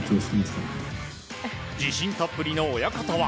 自信たっぷりの親方は。